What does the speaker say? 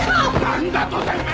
なんだとてめえ！